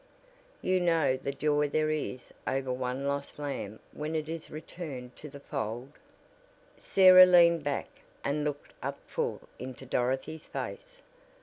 You know the joy there is over one lost lamb when it is returned to the fold?" Sarah leaned back, and looked up full into Dorothy's face.